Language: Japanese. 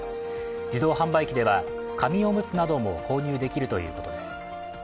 自動販売機では紙おむつなども購入できるということです。